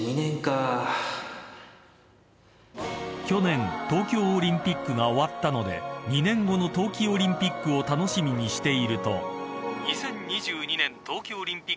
［去年東京オリンピックが終わったので２年後の冬季オリンピックを楽しみにしていると］